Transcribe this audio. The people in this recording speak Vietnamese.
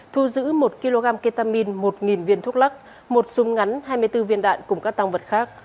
thu giữ một kg ketamin một viên thuốc lắc một súng ngắn hai mươi bốn viên đạn cùng các tăng vật khác